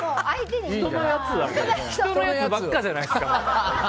人のやつばっかじゃないですか。